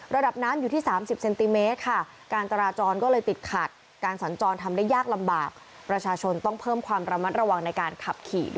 ระดับน้ำอยู่ที่๓๐เซนติเมตรค่ะ